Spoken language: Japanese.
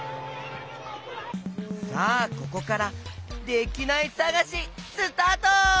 さあここからできないさがしスタート！